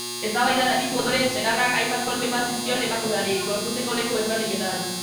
Eztabaidan aritu ondoren, senarrak hainbat kolpe eman zizkion emakumeari gorputzeko leku ezberdinetan.